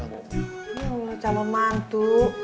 yaudah calon mantu